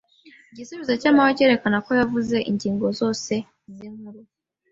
Igisubizo cya mabwa cyerekana ko yabuze ingingo zose zinkuru.